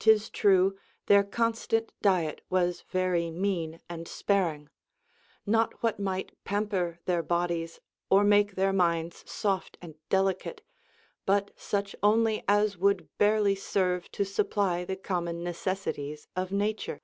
3. 'Tis true, their constant diet was very mean and sparing ; not what might pamper their bodies or make their minds soft and delicate, but such only as would barely serve to supply the common necessities of nature.